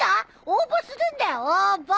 応募するんだよ応募！